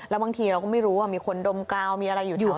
และบางทีเราก็ไม่รู้ว่ามีคนดมกล้าวมีอะไรอยู่แถวนั้น